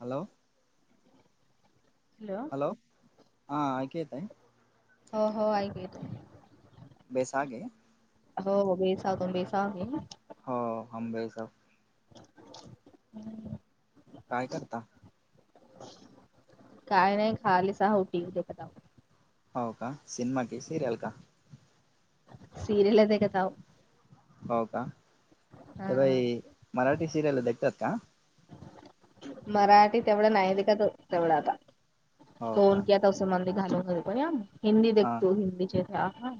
Hello! Hello! Hello! हा ऐक येत आहे? हो हो, ऐक येतंय बेसागे हो हो [unintelligible] हो हंबेसा [unintelligible] काय करता? काय नाही खालीच आहो [unintelligible] हो का, सिन्मा की सीरयल का? सीरयल ये ता का ताव हो का, ते बाई हा मराठी सिरियल देखतात का? मराठी तेवढं नाही देखतं तेवढं आता, हो का कोन [unintelligible] हिंदी हा देखतो हिंदीचे आ हा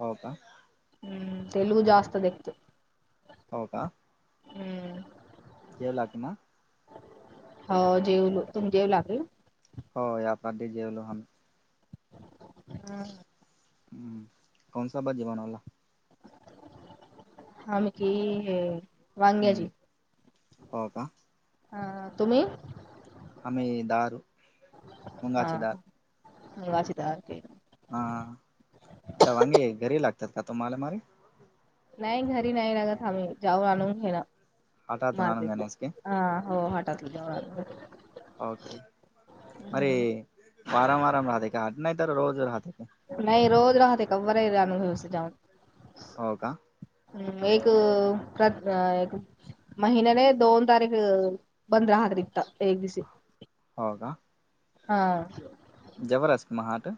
हो का? हम्म, तेलगू जास्त देखतो. हो का? हम्म. जेवलाक ना? हो जेवलो, तुम्ही जेवलाके? होय आता बी जेवलो आमी. हम्म. हम्म, कोणसा भाजी बनवला? आमी की हे हम्म वांग्याची हो का ह, तुम्ही? आमी, दार हा मुंगाची दार. मुगाची दार के हा, आता वांगी घरी लागतात का तुम्हाला मारी? नाही घरी नाही लागत आम्ही, जाऊन आणून घेणं हाटातून आणून मार्केटल देण्यासके हा हो [unintelligible] ओके, अरे आणतो मारा मरे [unintelligible] नायतर रोज राहते का नाही रोज राहते का बरंय राहण [unintelligible] हो का? हम्म, एक अ प्र एक महिनेने दोन तारीख बंद [unintelligible] एकदीसी हो का? हा जबरस्त महाट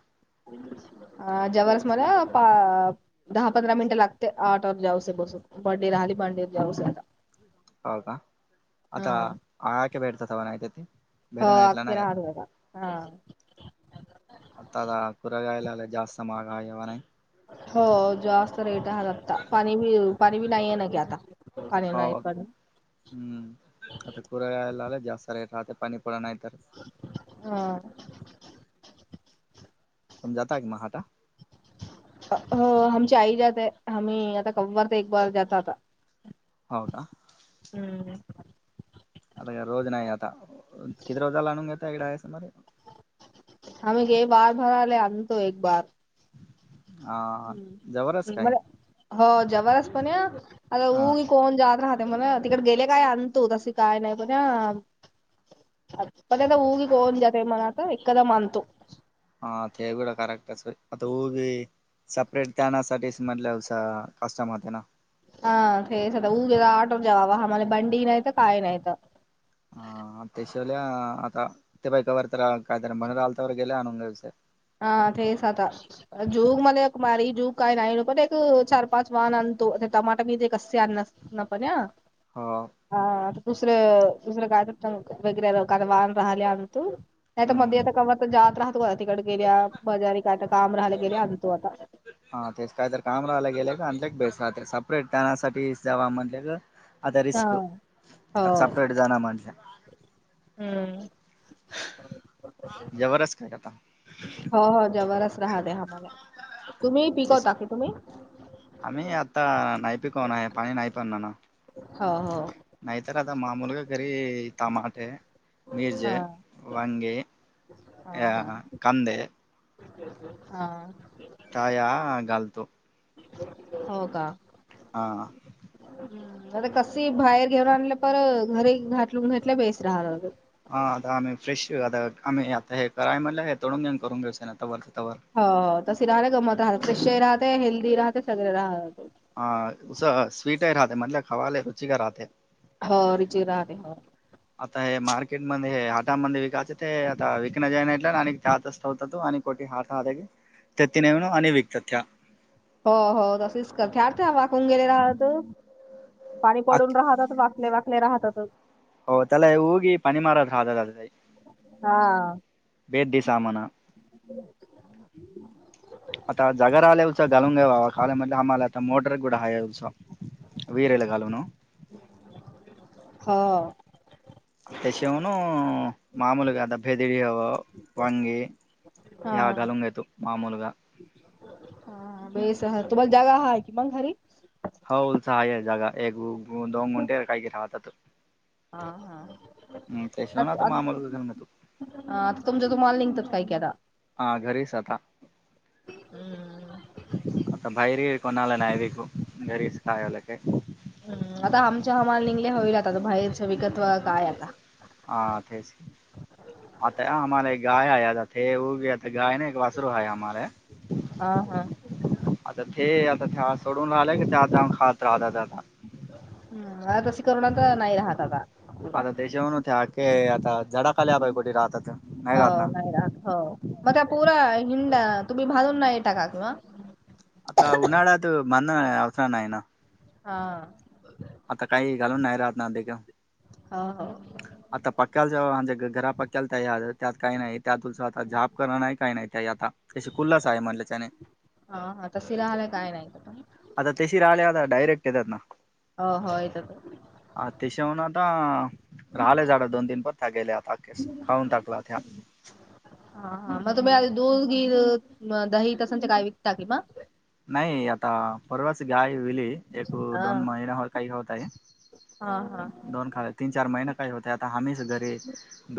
अ जवररस मला पा दहा पंधरा मिनिटं लागते आटोवर जाऊस बसून बडडी राहिली बांडीवर जाऊस आता हो का आता हा आके बेडतात वनयतती हो अके राहावला हा आता आ कुरगायला आला जास्त महागा हव नाही हो जास्त रेट आहात आता पाणी बी पाणी बी नाहीे ना की आता पाणी हो नाही पण हम्म आता कुरयला आलं जास्त रे राहते पाणीपड नाही तर हा तम जाता आहेी महाटा हो आमची आई जाते आम्ही आता कववार ते एक बार जात आता हो का हम्म आता रोज नाही आता किती रोजाला आणूनगताडा आहेसमरे आम्ही गे बार भार आले आणतो एक बार हा जवळच हम्म् काय मर हो जबरस् पण हा आताऊ कोण जात राहते म्हणा तिकडे गेले काय आणतो त काय नाही पण अ पतदा ऊगी ोन जाते मनात एकादम मंतु हा ते बड करक्ट आता हऊवी सपरेट त्यानासाठीच म्हटलं कस्टम होते ना हा तेचध उगे आऑटोर जेवा आम्हाला बंडी नाहीत काय नाहीत हा ते शिवाले आता ते बा का वर तर कायतरी म्हणर आलतावर गेले आणून घ हा तेसात जूग मला एक मारी जूग काय नाही पण एक चार पाच वाहन आणतो ते टमाटा मी तेे क अससे आण अस नपर हो हा दुसरं दुसरं गय वगैरे वाहन राहिले आण तू नाही तर मध्ये हम्म आता कता जात राहत काता तिकडे गेल्या बजारी काता काम राहायला गेल्या आणतो आता हा तेच काय तर कामराला गेले का अ बेस रा सपरेट त्यानासाठी जवा म्हणले का आता रिस्क हा. हो आता सपरेट जाना म्हणलं हम्म जबरस्त खय काता हो हो जवरच राहात आम्हाला तुम्ही तेच पिकवता की तुम्ही आम्ही आता नाही पी कोण आहे पाणी नाही पणणार ना हो हो. नाहीतर आता मामूल का घरी तमाटे मीर्ज हा. वंगी हा हा कंद हा ताया घाल तो हो का हां आता कस बाहेर घेऊन आणलं पर घरी घाटलून घातल्या बेस राहत हा आता आम्ही फ्रेश आता आम्ही आता हे कराय म्हणलं हे तोडून घेऊन करून घेऊच ना आता वर ववर हो तसे राहते गमत राहत फ्रेशही राहते हेल्दी राहते सगळे राह हा उ स्वीट आहे राहात म्हण खवाले रुचि का राहात हो रिजे राह र हो ह आता हे मार्केटमध्येध्ये हे हाटामध्ये विकायचं ते आता विकणं ज नाहीट आणि चहात असतता होत तो आणि कोटी हातथ हागे तेत्नेवन अनिवीिक तथ्य हो हो तसेच करते अर्थ वाकून गेले राहत पाणी पडून राहतात वाकले वाकले राहतातच. होओ तला ह उगी पनीि मारद हादाई. हा. बेदी सामाना आता जग र आले होच गलंग आहे बावा काल म्हधले आमला आता मोटर कड हा आहेस. वीरला कालवण हा. अ त्याशवन मामूल कादा भेदडीयावा वंगी या हा. गलुंगयेत मामूलग हा बेसह तुम्हाला जागा ह आहे कि मग घरी. हो उलसा आहे जागा एक दोन गुंटे काय घ राहतात. हा हा. हम्म, त्याशिवाय आता आ मामूलग गलंगतू आता तुमचा तुम्हाल नििंघतात काही की आता हा घरीचता हम्म. आता भैरी कोणाला नाहीयवीिक वरी कायला का? हम्म आता आमच्या हमाल निघल्या होईल आता आ बाहेचं वगत्व काय आता हा तेच आतामे एक गाय आताथ व गता गा नाही. वासर आहेम हा हा. आता ते आता सोडून राय क चम खात राह. हम् आ रस करोणा तर नाही राहत आता पुरा. आता त्याच्याेन होत्या आता झडा खाल्या पाहि कुठे राहतात नाही हो राहतना. नाही हो. मग त्या पुरा हिंड तुम्ही भाजून नाही टाका किंवा आता उन्हाळ्यात म्हंद अवसर नाही आहे ना. हा. आता काही घालून नाही राहत ना ते का? हा हा. आता पकयला जेव्हा म्हजे घरा पक्याला त्या त्यात काही नाही त्या तुसं आता झाब करण नाही काही नाही त्या आता त्या खुल्हसा आहे म्हटल्या त्याने हा हा तस राहालाय काय नाही का? पण आता तेशीर आले आता डयरेक्ट येतात ना. हो होेत. अ तिशहून आता राहिलेय झाड दोन तीन पर त्या गेले आताखेस. खाऊून टाकला त्या हा हा मग तुम्ही आ दूध गी दही तसंचे काय विकता कि म नाही आता परवाच गाय विली. एक हा दोन महिन्यावर काही खावत आहे हा हा दोन खायच. तीन चार महिना काय होते आता हममीच घरे.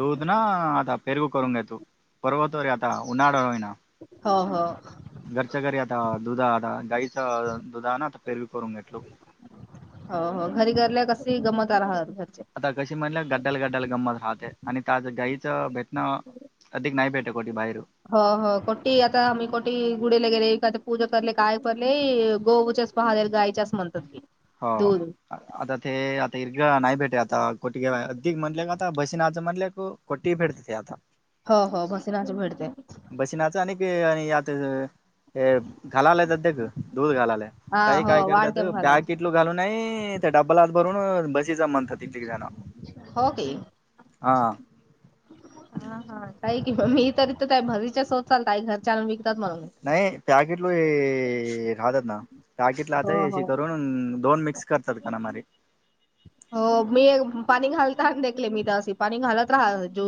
दूध ना आता पेरगू करून घ्याेतो पर्वतवर आता उन्हाळाईना. हो ह. घरच्या घरी आता दुधा आता गाईचं दुधा ना आता फेरवी करूून घटल. हो हो घरी घल्या कसे गमत राहात घरचे. आता कशी म्हणल्या गड्ड्याल गड्ड्याल गंमत राहते आणि त्याच गाईचं भेटणं. अधिक नाही भेटे कोठी बाहेर हो हो कोटी आता आम्ही कोटी गुडला गेले का पूजा करले काय करले गो. पहाद गायचे असं म्हणतात की हो दूध आता ते आता इर्ग नाही भेटे आता कोटीे अधिक म्हणले का? ता बसनं म्हणले क कोटी फेडते ते आता हो हो भसनाची भरते. बशीिनाच आणिक आणि आत हे घालालाय सध्याक दूध घालालाय. हा तई हो काय करतात वाढक्या भागाचे पॅकिटलू घालूनय तर डब्बल हात भरून बस होग हा हा हा काही कि म मी तररीथ भरीच्या शोध चालता घरच्या आणून विकतात म्हणून नाही पॅकेटल खात ना पॅकेटलाहता हो अ हो करून दोन मिक्स करतात काना म हो मी एक पाणी घाल दकले मी त्याे पाणी घालत राहा जो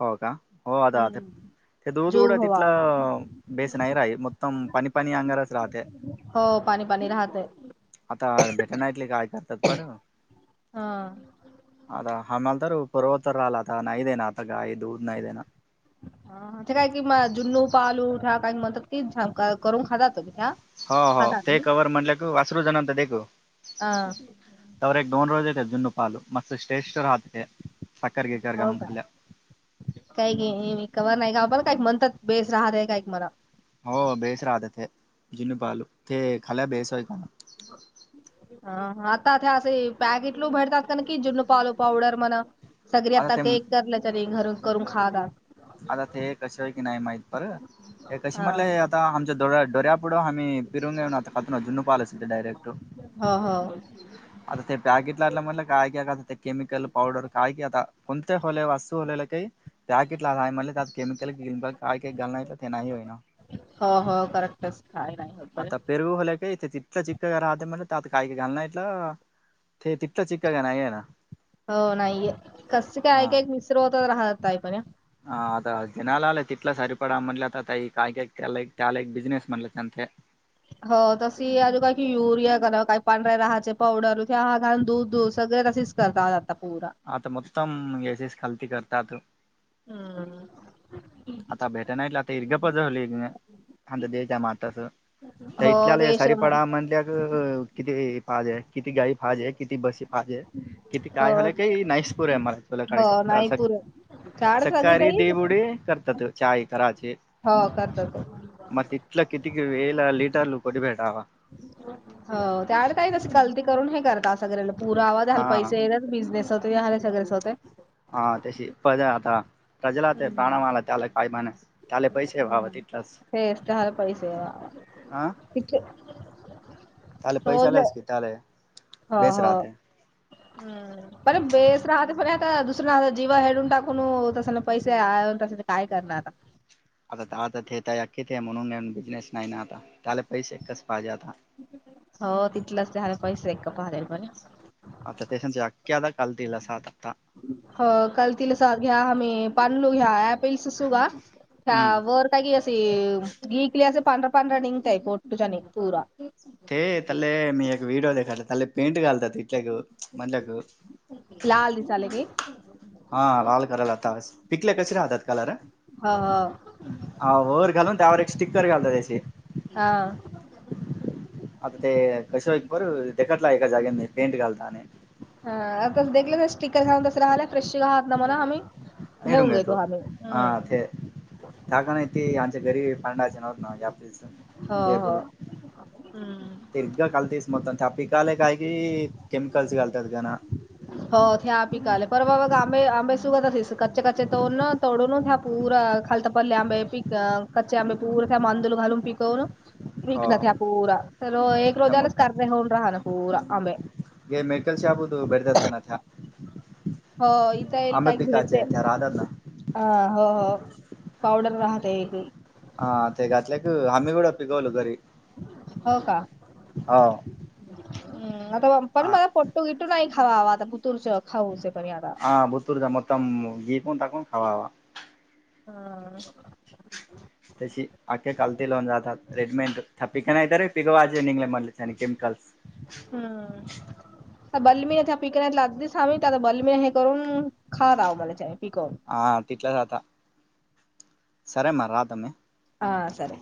हो का हो अ अ हम्म. ते दूध क जोग हवा तिथला बेस नाही राही मतम पनीपनी अंगारच राहते हो पाणी पाणी राहते आता भेटण ऐकले काय करतात बं हा अता आमल तरर पर्वतर आल आता नैदन आता गा दूध नैदे ना ते काय कि म जुन्नू पालूठ काही म्हणतात ती करून खात तो्ी त्या हो हो खातात ते कवर म्हटलं का वासरू जाणंत दे ग हा तव्र एक डोन रोज े जुन्न पाल मस् स्टेस्टर हहाते सकार गिकर हो गम का खल् काही म कवर नाही का पण काय म्हणतात बेस राह र काय मला हो बेस राहत ते जुनू पालू ते खाला बेसय का ना ह ह आताता असे पॅकेट ल भडतात कन कि जुडनपाल पवडर मना सगळी आता केक करल्याच्या आणि घर करून खा दात आता ते कशय की नाही माहित पर हे कशी हा म्हटलंय हे आता आमच्या डो डो्यापुढं आम्हीिरून घेऊ ना आता कात जुनू पाहिलं सिध्या डायरेक्ट हा हा [inaudible] आता ते पॅकेट ला आटला म्ह कायकाका आता ते क केमिकल पवडर कायकी आता कोणते हले वस्त हलेल काही ला म्हण त्या केमिकल काय काही घाल नाही ते नाही होई ना हो हो करेक्टच काय नाही परू होलाक तिटला चिका राद म्ह तत कायक गलना इंला ते तितका चिक्का का नाही आहे ना हो नाहीये कस काय हा. का एक मिस्र होत राहतय पण हा आता जनाला आला तिथला सरीपडा म्हटलं आता तई काय का त्याला त्याला एक बिझिनेस म्हणलं त्यां ते हो तशी अजू काय की युरिया करा काही पांढरा्या राहाचे पावडर क ह घा दूध दूध सगळे तसे जात पूरा आता मद्तम यशस खालती करतात हम्म आता भेट नाहीटलं आता इिर्गपजवली अ देच्या मातचं त हो इथल्याला देश मग सारीपाडा म्हल्या क किती पाहिजे किती गाडी पाजे किती बस हजे किती हो काय झालंय काी नाईसपूर आहे मला का हो आता नाही असं पुरत झाड सगळी सक्काारी ताई देबुडे करतात चाय कराचे हो करतात ते. मग तथलं किती कि वेला लिटर ल को भेटावा हो त्यावे काही नस गलती करून हे करत सगळ्यांना पुरा आवा दला हा पैसेेत बिझनेस होत याले सगरेच होते हा त्याशी प आता प्रजला ते हम्म प्राणावाला त्या आला काय म्हण चाले पैसे वाव हम्म तेलाच तेच तर पैसे हा ले पैसे आलाच की ले हा हा पण बेस राहते पण आता दुसरं जीवा हडून टाकून तस ना पैसे काय करणार आता आय अकी ते म्हणूनेऊ बिझनेस नाही ना आता, त्याला पैसेच पाहिजे आताऽ हो, तिथलंच झाला पैसे एक पाहिलेल बरऽ मता तेश अक्याा कलतीला साातताऽ हो, काल तिला घ्या आम्, पांनलू घ्या पलस सुूगा घ्या, वरऽ ता की असे घकली, असे पांधरा पांढरा निघतय, पोटूच्या नि पूराऽ ते त्याले मी एक व्हिडिओ देखायला, त्याले पेंट घालतात, इथल्याक म्हजल्याकऽ लाल दि चाले कऽ हा, लाल करायला तास,, पिकले कसे राहतात कलर? ह हा, वर घालून त्यावर एक स्टिक्कर घालत त्याचीऽ हा, आता ते, कशो एकक पर तेकतला एका जागे म पेंट घालता आणिऽ हा, तंखलं सीिकर घा तसं राहायला फ्रेशहात ना मला आम्हीऽ हिरून घेऊन घेतो आम्ही,, हम्म. त्यााकाण ते आमच्या गरी फांडायचे नव्हत ना. हो हो हम् तिरग कलतेस मत चप कााले काय क क केमिकलस कलतात गना हो ते्या पिकाले पर ब बाबा आंबे आंबे सुू करस क्चे कच्चे तोड ना तोडून पूर खालता पडले आंबे पिक कच्चे आंबे पूरे त्या मांदूल घालून पिकवून.. विक हो न्या पूरा चलो एक रोजलाच कर र होन रहा ना पूरा. ग मेडिकल शॉप होत, भेरताातऽ हो,, इथं येईल काय खेळतेऽ ना ह, हो हो, पवडर राहते एकऽ हा, ते घातलं क आम्ही गुडं पिकवलो घरी. हो, का, हो म् आता पण आ मला पटू इऽ नाही खावा आता, पुतूर खाऊ पण आताऽ हा बुतूरच्या मतम घि पण तक खावा हवा. हम, तशी आख्या काल लावन जातात, रेडमेंट थ पिक नाहीत रे पिक वाजे निघ म्हटले छ केमिकल्सऽ ह, हम्म, बलमीिनच्या पिकण्या अगदीच आम्ही आ बलमीिन हे करून खातात, आह मला पिकवूनऽ ह, तिटल्या जता,, सरे म राता मेऽ हा सर,